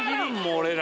俺ら。